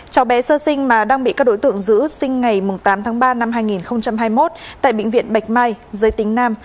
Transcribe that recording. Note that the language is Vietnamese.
cháu bé sơ sinh mà đang bị các đối tượng giữ sinh ngày tám tháng ba năm hai nghìn hai mươi một tại bệnh viện bạch mai giới tính nam